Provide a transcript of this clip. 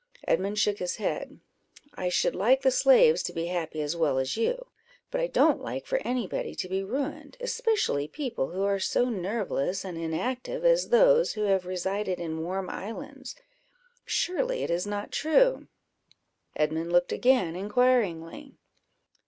Edmund shook his head "I should like the slaves to be happy as well as you; but I don't like for any body to be ruined, especially people who are so nerveless and inactive as those who have resided in warm islands; surely it is not true?" Edmund looked again inquiringly.